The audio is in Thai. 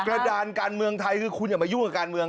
กระดานการเมืองไทยคือคุณอย่ามายุ่งกับการเมือง